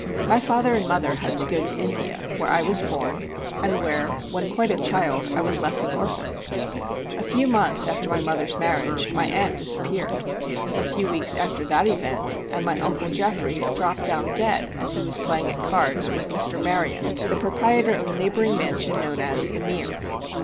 My father and mother had to go to India, where I was born, and where, when quite a child, I was left an orphan. A few months after my mother's marriage my aunt disappeared; a few weeks after that event, and my uncle Geoffrey dropped down dead, as he was playing at cards with Mr. Maryon, the proprietor of a neighboring mansion known as The Mere.